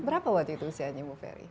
berapa waktu itu usianya bu ferry